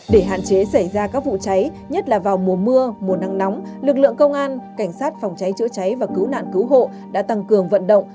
để hạn chế xảy ra các vụ cháy nhất là vào mùa mưa mùa nắng nóng lực lượng công an cảnh sát phòng cháy chữa cháy và cứu nạn cứu hộ đã tăng cường vận động